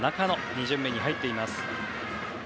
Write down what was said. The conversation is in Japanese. ２巡目に入っています。